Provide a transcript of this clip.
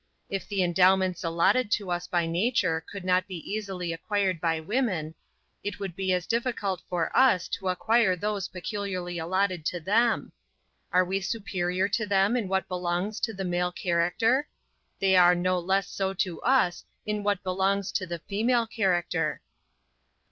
If the endowments allotted to us by nature could not be easily acquired by women, it would be as difficult for us to acquire those peculiarly allotted to them. Are we superior to them in what belongs to the male character? They are no less so to us, in what belongs to the female character.